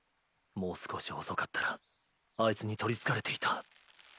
もう少し遅かったらあいつに取り憑かれていた。